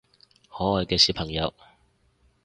可愛嘅小朋友